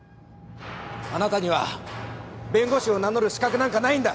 あなたには弁護士を名乗る資格なんかないんだ！